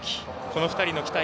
この２人の期待